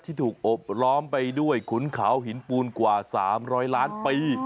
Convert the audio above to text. ที่ถูกอบล้อมไปด้วยขุนเขาหินปูนกว่า๓๐๐ล้านปี